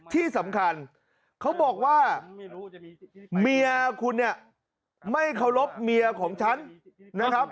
ที่สำคัญเขาบอกว่าเมียคุณเนี่ยไม่เคารพเมียของฉันนะครับ